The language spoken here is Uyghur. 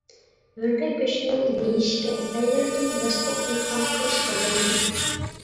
ئۆردەك گۆشىنى يېيىشكە، پەيلىرىدىن ياستۇق، يوتقان قىلىشقا بولىدۇ.